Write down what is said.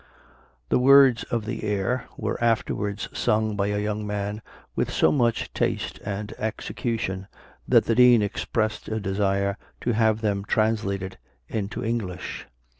The words of the air were afterwards sung by a young man with so much taste and execution, that the Dean expressed a desire to have them translated into English.